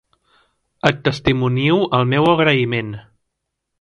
Et testimonio el meu agraïment.